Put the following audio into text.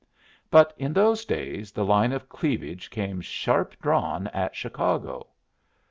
But in those days the line of cleavage came sharp drawn at Chicago.